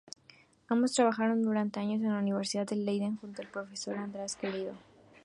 Ambos trabajaron durante años en la Universidad de Leiden junto al profesor Andreas Querido.